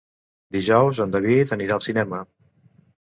Dijous en David anirà al cinema.